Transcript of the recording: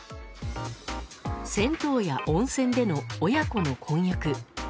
銭湯や温泉での親子の混浴。